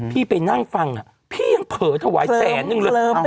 ไปนั่งฟังพี่ยังเผลอถวายแสนนึงเลย